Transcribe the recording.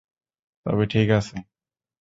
তবে ঠিক আছে।